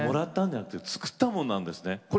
作ったものなんですね。